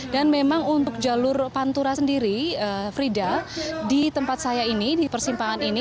dan memang untuk jalur pantura sendiri frida di tempat saya ini di persimpangan ini